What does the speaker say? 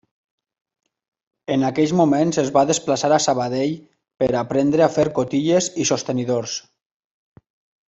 En aquells moments es va desplaçar a Sabadell per aprendre a fer cotilles i sostenidors.